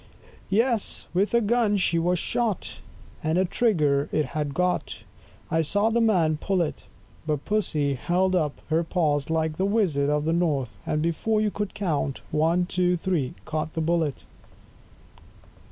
10 Yes, with a gun she was shot, And a trigger it had got, I saw the man pull it; But Pussy held up her paws like the Wizard of the North, and before you could count, ONE, TWO, THREE, caught the Bullet.